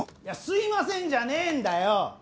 いや「すいません」じゃねえんだよ！